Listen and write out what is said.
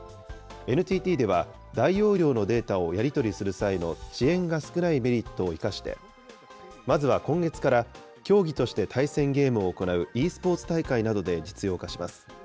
ＮＴＴでは、大容量のデータをやり取りする際の、遅延が少ないメリットを生かして、まずは今月から、競技として対戦ゲームを行うｅスポーツ大会などで実用化します。